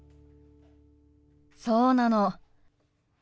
そうなの。